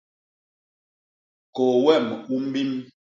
Kôô wem u mbim.